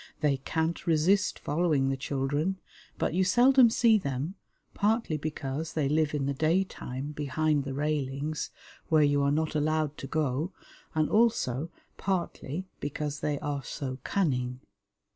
They can't resist following the children, but you seldom see them, partly because they live in the daytime behind the railings, where you are not allowed to go, and also partly because they are so cunning.